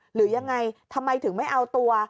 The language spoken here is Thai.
หรือยังไงทำไมถึงไม่เอาตัว